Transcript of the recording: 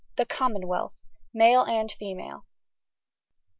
THE COMMONWEALTH. MALE AND FEMALE.